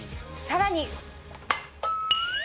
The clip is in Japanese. さらに。